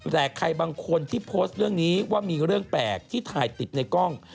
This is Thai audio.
แต่ใครบางคนที่โพสต์เรื่องนี้ว่ามีเรื่องแปลกที่ถ่ายติดในกล้อง